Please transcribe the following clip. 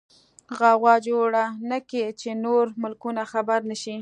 غوغا جوړه نکې چې نور ملکونه خبر نشي.